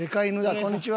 こんにちは！